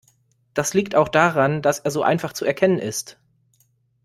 Das liegt auch daran, dass er so einfach zu erkennen ist.